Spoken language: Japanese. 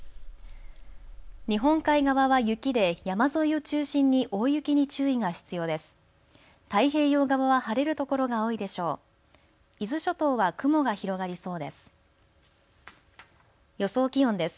日本海側は雪で山沿いを中心に大雪に注意が必要です。